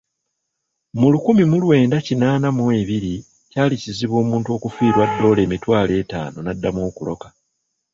Mu lukumi mu lwenda kinaana mu ebiri kyali kizibu omuntu okufiirwa ddoola emitwalo etaano n'addamu okuloka.